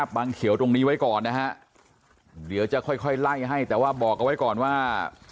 บังเขียวตรงนี้ไว้ก่อนนะฮะเดี๋ยวจะค่อยค่อยไล่ให้แต่ว่าบอกเอาไว้ก่อนว่า